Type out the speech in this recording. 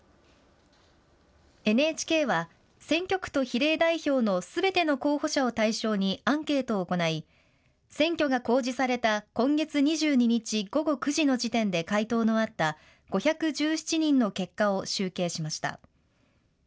ＮＨＫは、選挙区と比例代表のすべての候補者を対象にアンケートを行い、選挙が公示された今月２２日午後９時の時点で回答のあった５１７人の結果を集計しました。